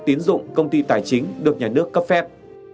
tiến dụng công ty tài chính được nhà nước cấp phép